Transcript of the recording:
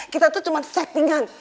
kita itu cuma settingan